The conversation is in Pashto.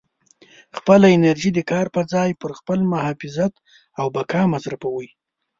خپله انرژي د کار په ځای پر خپل محافظت او بقا مصروفوئ.